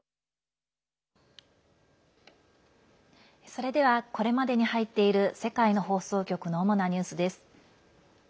それではこれまでに入っている世界の放送局の主なニュースです。